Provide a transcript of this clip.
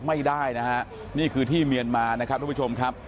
ไม่ได้นะฮะนี่คือที่เมียนมานะครับทุกผู้ชมครับ